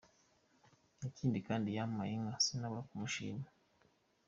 Ikindi kandi yampaye inka sinabura kumushima.